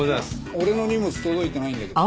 俺の荷物届いてないんだけど。